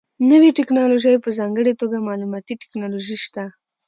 نوې ټکنالوژي په ځانګړې توګه معلوماتي ټکنالوژي شته.